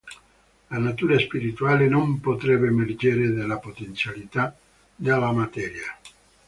La natura spirituale non potrebbe emergere dalle potenzialità della materia.